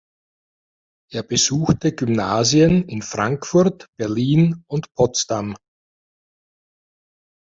Er besuchte Gymnasien in Frankfurt, Berlin und Potsdam.